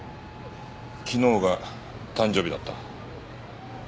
昨日が誕生日だった。